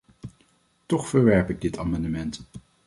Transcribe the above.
Toch verwerp ik dit amendement.